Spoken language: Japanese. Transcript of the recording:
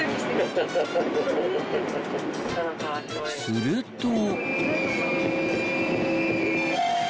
すると。